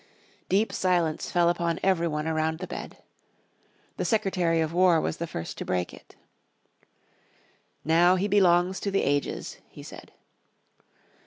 Deep silence fell upon every one around the bed. The Secretary of War was the first to break it. "Now he belongs to the ages," he said.